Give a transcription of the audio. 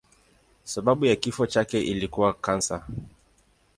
Sababu ya kifo chake ilikuwa kansa.